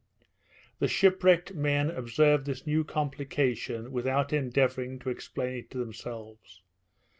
The shipwrecked men observed this new complication without endeavouring to explain it to themselves.